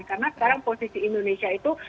karena sekarang posisi indonesia itu